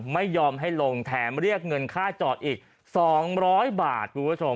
ไม่ยอมให้ลงแถมเรียกเงินค่าจอดอีก๒๐๐บาท